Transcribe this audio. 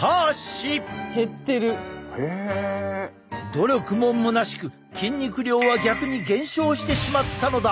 努力もむなしく筋肉量は逆に減少してしまったのだ！